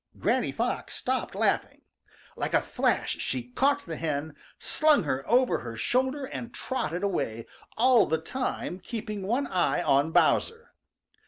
Granny Fox stopped laughing. Like a flash she caught the hen, slung her over her shoulder and trotted away, all the time keeping one eye on Bowser.